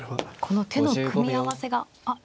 この手の組み合わせがあっ